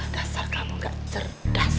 dasar kamu gak cerdas